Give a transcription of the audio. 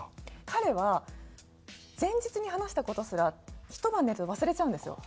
彼は前日に話した事すらひと晩寝て忘れちゃうんですよ。